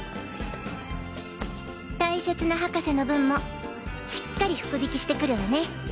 大切な博士の分もしっかり福引してくるわね。